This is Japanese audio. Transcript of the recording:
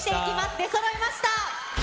出そろいました。